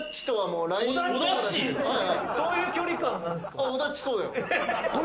そういう距離感なんすか？